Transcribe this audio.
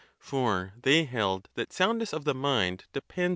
For they held that soundness of the mind depends on a cer